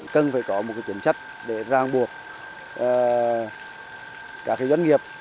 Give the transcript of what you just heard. cần phải có một chính sách để ràng buộc các doanh nghiệp